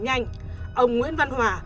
nhanh ông nguyễn văn hòa